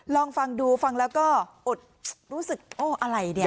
ลองฟังดูฟังแล้วก็อดรู้สึกโอ้อะไรเนี่ย